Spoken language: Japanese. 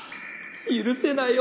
許せないよ